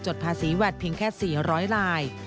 ภาษีแวดเพียงแค่๔๐๐ลาย